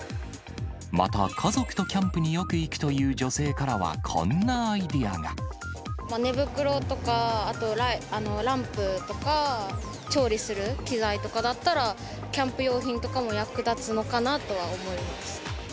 また家族とキャンプによく行くという女性からは、こんなアイデア寝袋とか、あと、ランプとか、調理するきざいとかだったら、キャンプ用品とかも役立つのかなとは思います。